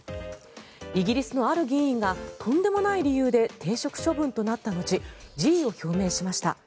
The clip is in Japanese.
イギリスのある議員がとんでもない理由で停職処分となった後辞意を表明しました。